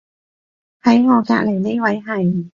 喺我隔離呢位係